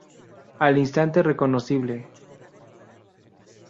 Al instante reconocible.